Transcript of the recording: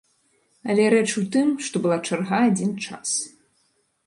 Але рэч у тым, што была чарга адзін час.